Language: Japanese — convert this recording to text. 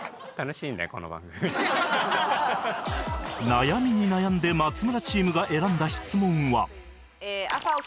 悩みに悩んで松村チームが選んだ質問は